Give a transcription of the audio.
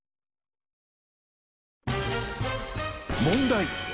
問題。